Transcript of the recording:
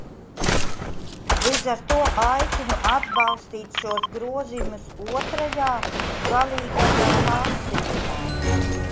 Līdz ar to aicinu atbalstīt šos grozījumus otrajā, galīgajā, lasījumā!